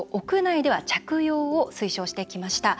屋内では着用を推奨してきました。